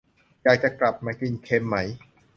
อยากจะกลับมากินเค็มไหม ?